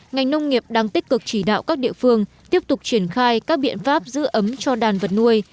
ngành nông nghiệp đang tích cực chỉ đạo các địa phương tiếp tục triển khai các biện pháp giữ ấm cho đàn vật nuôi